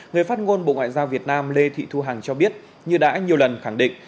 người phát ngôn bộ ngoại giao việt nam lê thị thu hằng cho biết như đã nhiều lần khẳng định